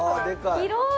広い！